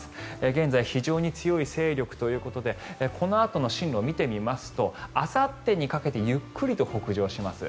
現在、非常に強い勢力ということでこのあとの進路を見てみますとあさってにかけてゆっくりと北上します。